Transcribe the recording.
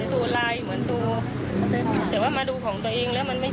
ก็เลยสงสัยว่าเดินมาถึงอีกฝั่งคลองรถของคุณพิเศษ